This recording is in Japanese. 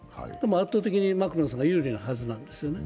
圧倒的にマクロンさんが有利なはずなんですね。